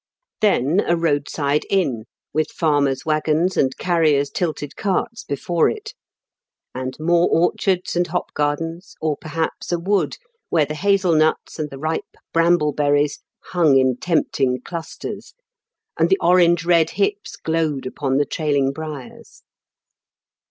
Then A HOP'GABDEN IN SEPTEMBER. 117 a road side inn, with farmers' waggons and carriers' tilted carts before it; and more orchards and hop gardens, or perhaps a wood, where the hazel nuts and the ripe bramble berries hung in tempting clusters, and the orange red hips glowed upon the trailing briars.